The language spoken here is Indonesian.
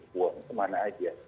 buang kemana aja